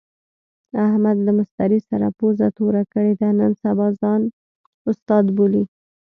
احمد له مستري سره پوزه توره کړې ده، نن سبا ځان استاد بولي.